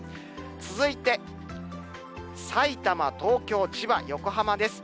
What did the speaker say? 続いて、さいたま、東京、千葉、横浜です。